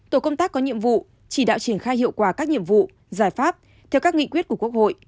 tổ công tác có nhiệm vụ chỉ đạo triển khai hiệu quả các nhiệm vụ giải pháp theo các nghị quyết của quốc hội